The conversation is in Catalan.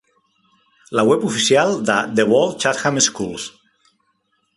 La web oficial de The Ball Chatham Schools.